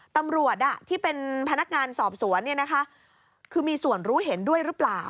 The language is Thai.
ตำรวจที่เป็นพนักงานสอบสวนคือมีส่วนรู้เห็นด้วยหรือเปล่า